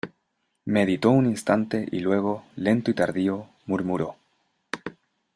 meditó un instante, y luego , lento y tardío , murmuró: